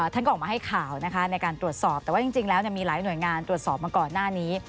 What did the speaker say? ท่านก็ออกมาให้ข่าวนะคะในการตรวจสอบแต่ว่าจริงแล้วมีหลายหน่วยงานตรวจสอบมาก่อนหน้านี้